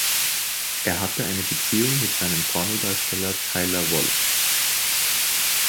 Er hatte eine Beziehung mit seinem Pornodarsteller Tyler Wolf.